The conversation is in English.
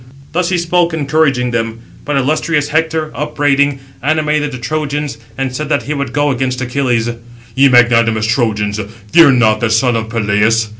Thus he spoke, encouraging them; but illustrious Hector, upbraiding, animated the Trojans, and said that he would go against Achilles: "Ye magnanimous Trojans, fear not the son of Peleus.